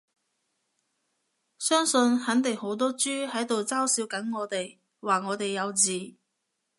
相信肯定好多豬喺度嘲笑緊我哋，話我哋幼稚